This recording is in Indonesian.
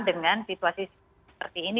dengan situasi seperti ini